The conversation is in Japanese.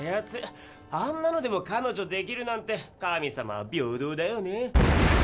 あんなのでも彼女できるなんて神様は平等だよね。